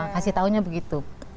kasih taunya begitu